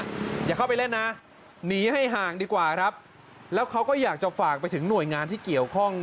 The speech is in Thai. อย่าเข้าไปเล่นนะหนีให้ห่างดีกว่าครับแล้วเขาก็อยากจะฝากไปถึงหน่วยงานที่เกี่ยวข้อง